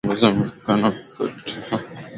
hii haitaongoza kwa kitu chochote kizuri Waturuki